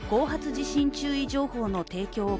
地震注意情報の提供を